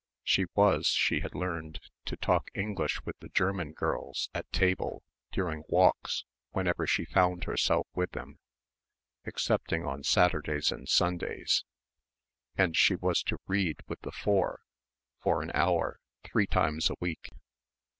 She was, she had learned, to talk English with the German girls, at table, during walks, whenever she found herself with them, excepting on Saturdays and Sundays and she was to read with the four for an hour, three times a week.